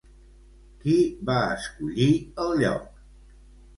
Qui va escollir el lloc?